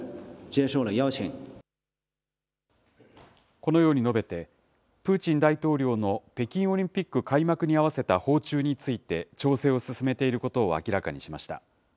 このように述べて、プーチン大統領の北京オリンピック開幕に合わせた訪中について、調整を進めていることを明らかにしました。